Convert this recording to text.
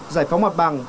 giải phóng mặt bằng